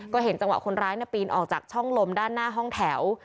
ก็เห็นจังหวะคนร้ายปีนออกจากช่องลมด้านหน้าห้องแถว